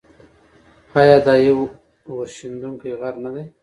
آیا دا یو اورښیندونکی غر نه دی؟